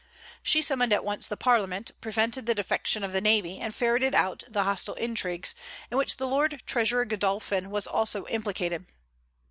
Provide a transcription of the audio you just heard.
She summoned at once the Parliament, prevented the defection of the navy, and ferreted out the hostile intrigues, in which the lord treasurer Godolphin was also implicated.